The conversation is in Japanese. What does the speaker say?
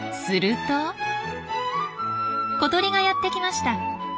すると小鳥がやってきました。